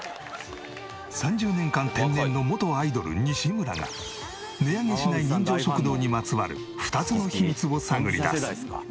３０年間天然の元アイドル西村が値上げしない人情食堂にまつわる２つの秘密を探り出す。